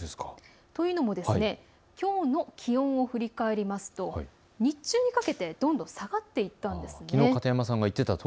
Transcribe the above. というのもきょうの気温を振り返りますと日中にかけてどんどん下がっていったんですね。